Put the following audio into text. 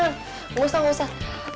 gak usah gak usah